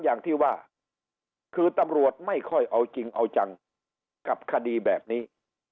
อย่างที่ว่าคือตำรวจไม่ค่อยเอาจริงเอาจังกับคดีแบบนี้